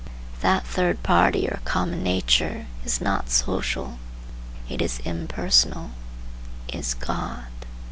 That third party or common nature is not social; it is impersonal; is God.